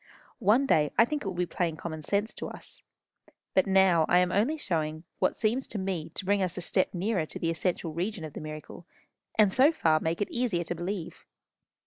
One day I think it will be plain common sense to us. But now I am only showing you what seems to me to bring us a step nearer to the essential region of the miracle, and so far make it easier to believe.